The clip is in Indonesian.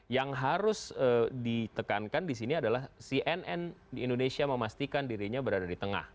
yang harus ditekankan di sini adalah cnn di indonesia memastikan dirinya berada di tengah